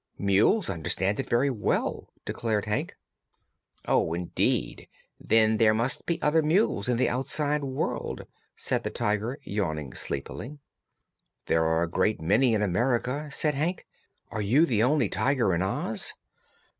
"Mules understand it very well," declared Hank. "Oh, indeed! Then there must be other mules in your outside world," said the Tiger, yawning sleepily. "There are a great many in America," said Hank. "Are you the only Tiger in Oz?"